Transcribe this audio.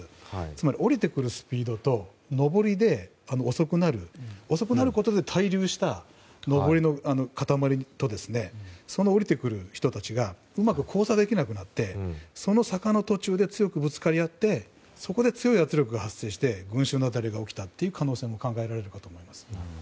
つまり、下りてくるスピードと上りで遅くなる、そのことで滞留した上りの塊と下りてくる人たちがうまく交差できなくなってその坂の途中で強くぶつかり合って強い圧力が発生して群衆雪崩が起きたという可能性も考えられます。